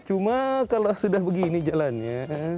cuma kalau sudah begini jalannya